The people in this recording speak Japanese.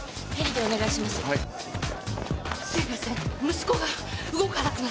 「息子が動かなくなったの。